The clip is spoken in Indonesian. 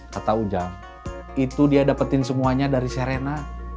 kata ujang itu dia dapetin semuanya dari serena